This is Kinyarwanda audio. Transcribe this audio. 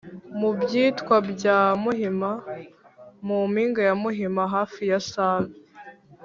Mu bitwa bya Muhima: mu mpinga ya Muhima (hafi ya Save).